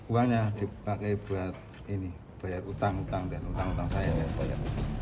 uangnya dipakai buat ini bayar utang utang dan utang utang saya ini bayar